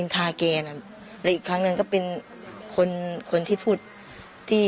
ตอนต่อไป